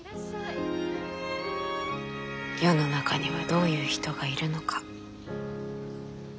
世の中にはどういう人がいるのか。